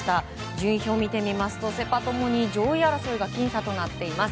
順位表を見てみますとセ・パ共に上位争いが僅差となっています。